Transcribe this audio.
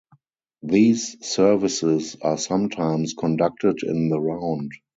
These services are sometimes conducted in the round.